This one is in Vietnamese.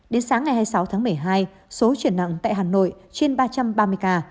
đến sáng ngày hai mươi sáu tháng một mươi hai số chuyển nặng tại hà nội trên ba trăm ba mươi ca